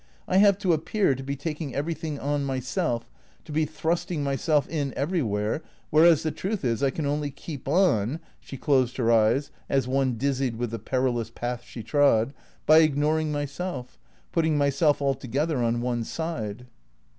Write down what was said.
I have to appear to be taking everything on myself, to be thrusting myself in everywhere, whereas the truth is I can only keep on" (she closed her eyes, as one dizzied with the perilous path she trod) "by ignoring myself, putting myself altogether on one side."